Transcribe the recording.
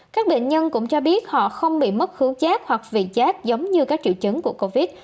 các bệnh nhân cũng cho biết họ không bị mất hướng chát hoặc vị chát giống như các triệu chứng của covid